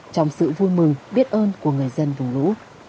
trong sự vui mừng biết ơn của người dân vùng lũ